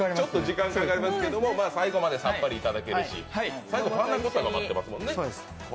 時間かかるけど最後までさっぱりいただけるし、最後パンナコッタが待ってますもんね。